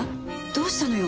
どうしたのよ？